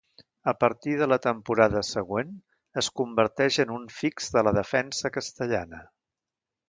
A partir de la temporada següent, es converteix en un fix de la defensa castellana.